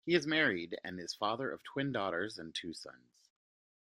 He is married and is father of twin daughters and two sons.